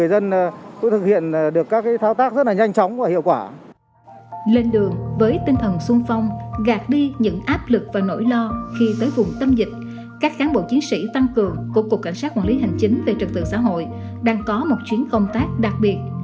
lên đường với tinh thần sung phong gạt đi những áp lực và nỗi lo khi tới vùng tâm dịch các cán bộ chiến sĩ tăng cường của cục cảnh sát quản lý hành chính về trật tự xã hội đang có một chuyến công tác đặc biệt